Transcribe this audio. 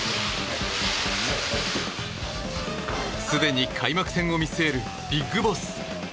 すでに開幕戦を見据えるビッグボス。